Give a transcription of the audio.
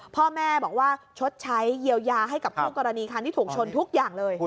พ่อแม่บอกว่าชดใช้เยียวยาให้กับคู่กรณีคันที่ถูกชนทุกอย่างเลย